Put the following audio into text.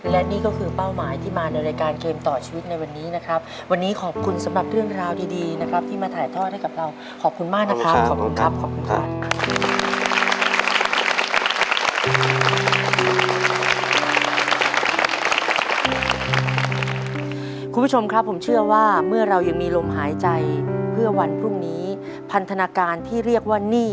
แล้วพอพี่เขาดีด้วยล่ะลูกแล้วหนูมีความรู้สึกอย่างไร